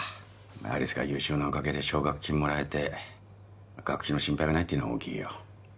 有栖が優秀なおかげで奨学金もらえて学費の心配がないっていうのは大きいよ